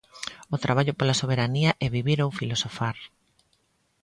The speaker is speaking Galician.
O traballo pola soberanía é vivir ou filosofar?